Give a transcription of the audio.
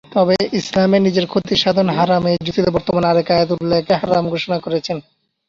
তবে ইসলামে নিজের ক্ষতিসাধন হারাম এই যুক্তিতে বর্তমান অনেক আয়াতুল্লাহ একে হারাম ঘোষণা করেছেন।